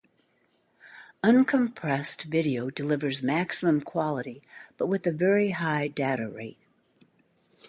Uncompressed video delivers maximum quality, but with a very high data rate.